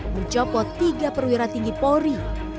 mencopot tiga perwira tinggi polri